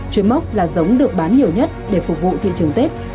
trướng mốc là giống được bán nhiều nhất để phục vụ thị trường tết